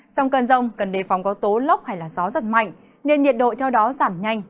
trong cơn rông cần đề phòng có tố lốc hay gió giật mạnh nên nhiệt độ theo đó giảm nhanh